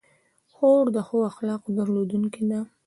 خور د ښو اخلاقو درلودونکې ده.